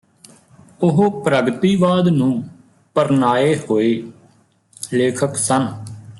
ਉਹ ਪ੍ਰਗਤੀਵਾਦ ਨੂੰ ਪਰਨਾਏ ਹੋਏ ਲੇਖਕ ਸਨ